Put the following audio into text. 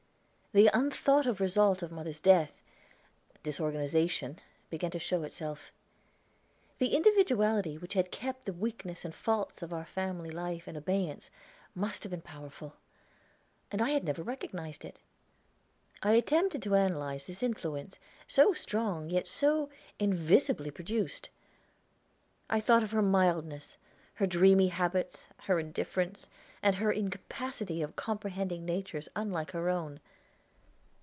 The unthought of result of mother's death disorganization, began to show itself. The individuality which had kept the weakness and faults of our family life in abeyance must have been powerful; and I had never recognized it! I attempted to analyze this influence, so strong, yet so invisibly produced. I thought of her mildness, her dreamy habits, her indifference, and her incapacity of comprehending natures unlike her own.